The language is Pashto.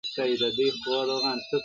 غوجله لا هم خاموشه ده ډېر